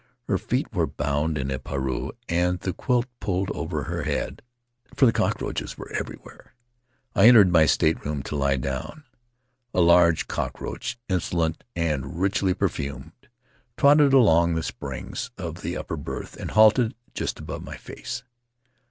Her feet were bound in a pareu and the quilt pulled over her head, for the cockroaches were every where. I entered my stateroom to lie down. A large cockroach, insolent and richly perfumed, trotted along the springs of the upper berth and halted just above my face.